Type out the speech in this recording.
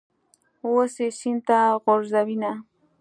اوس یې سین ته غورځوینه.